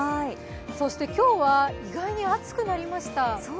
そして今日は意外に暑くなりました。